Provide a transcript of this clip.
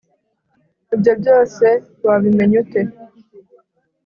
Ibyo byose wabimenya ute